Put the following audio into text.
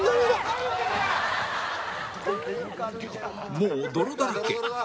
もう泥だらけ